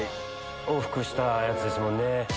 往復したやつですもんね。